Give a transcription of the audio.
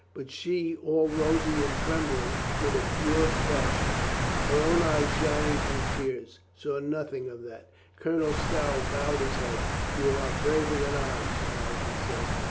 But she, all rosy and trembling with a pure passion, her own eyes shining through tears, saw nothing of that. Colonel Stow bowed his head. "You are braver than I, child," he said.